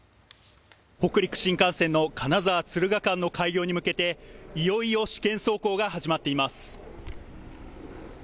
北陸新幹線の金沢・敦賀間の開業に向けていよいよ試験走行が始まっています。